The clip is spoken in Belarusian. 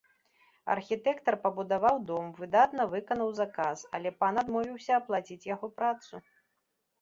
Архітэктар пабудаваў дом, выдатна выканаў заказ, але пан адмовіўся аплаціць яго працу.